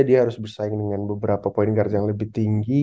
dia harus bersaing dengan beberapa point guard yang lebih tinggi